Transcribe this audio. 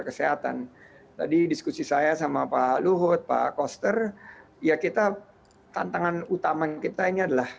kesehatan tadi diskusi saya sama pak luhut pak koster ya kita tantangan utama kita ini adalah